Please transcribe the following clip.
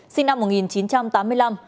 sinh năm một nghìn chín trăm tám mươi năm